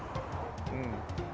うん。